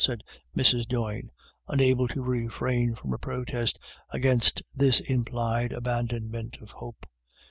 " said Mrs. Doyne unable to refrain from a protest against this implied abandonment of hope.